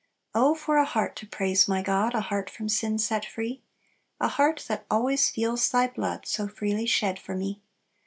"Oh for a heart to praise my God, A heart from sin set free! A heart that always feels Thy blood, So freely shed for me.